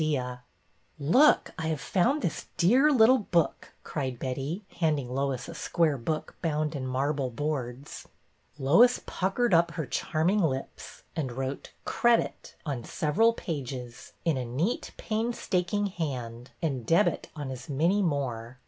BETTY "IN A PICKLE" 75 '' Look, I have found this dear little book," cried Betty, handing Lois a square book bound in marble boards. Lois puckered up her charming lips, and wrote Credit " on several pages, in a neat, painstaking hand, and " Debit " on as many more.